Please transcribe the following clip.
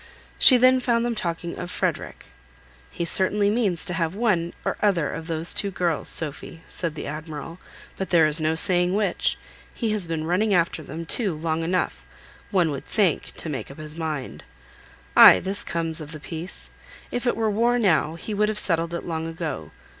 She then found them talking of "Frederick." "He certainly means to have one or other of those two girls, Sophy," said the Admiral; "but there is no saying which. He has been running after them, too, long enough, one would think, to make up his mind. Ay, this comes of the peace. If it were war now, he would have settled it long ago.